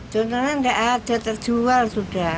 contohnya nggak ada terjual sudah